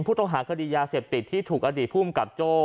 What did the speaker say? ผู้ต้องหาคดียาเสพติดที่ถูกอดีตภูมิกับโจ้